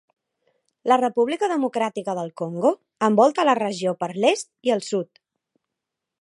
La República Democràtica del Congo, envolta la regió per l'est i el sud.